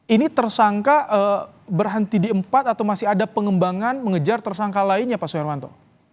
ini tersangka berhenti di empat atau masih ada pengembangan mengejar tersangka lainnya pak soeharmanto